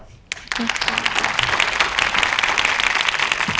ขอบคุณค่ะ